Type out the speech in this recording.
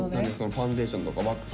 ファンデーションとかワックスとか？